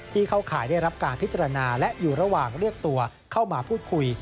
เข้าข่ายได้รับการพิจารณาและอยู่ระหว่างเรียกตัวเข้ามาพูดคุย